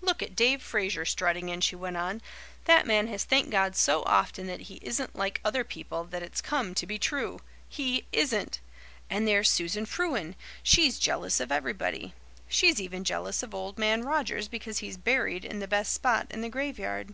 "Look at Dave Fraser strutting in," she went on. "That man has thanked God so often that he isn't like other people that it's come to be true. He isn't! And there's Susan Frewen. She's jealous of everybody. She's even jealous of Old Man Rogers because he's buried in the best spot in the graveyard.